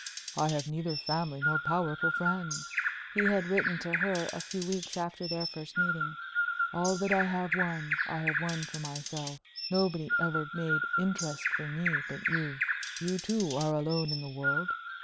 "I have neither family nor powerful friends," he had written to her a few weeks after their first meeting; "all that I have won, I have won for myself. Nobody ever made 'interest' for me but you. You, too, are alone in the world.